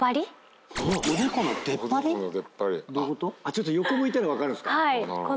ちょっと横向いたら分かるんですか？